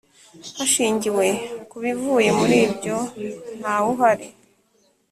Hashingiwe kubivuye muribyo ntawuhari.